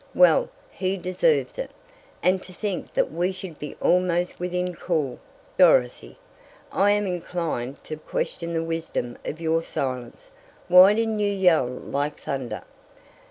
"Well, he deserves it! And to think that we should be almost within call! Dorothy, I am inclined to question the wisdom of your silence. Why didn't you yell like thunder?"